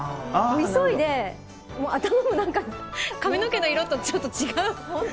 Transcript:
急いで頭のなんか、髪の毛の色とちょっと違う。